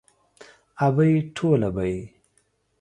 ابۍ ټوله بۍ.